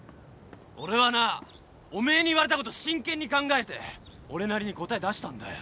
俺はなおめえに言われたこと真剣に考えて俺なりに答え出したんだよ。